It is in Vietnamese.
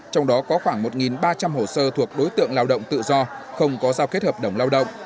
trong đó có khoảng một ba trăm linh hồ sơ thuộc đối tượng lao động tự do không có giao kết hợp đồng lao động